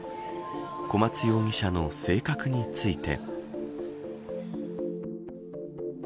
小松容疑者の性格について。